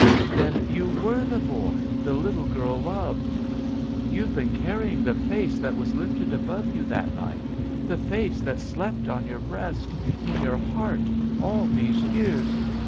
Then you were the boy — the little JUST SWEETHEARTS girl loved! You've been carrying the face that was lifted above you that night — the face that slept on your breast — in your heart, all these years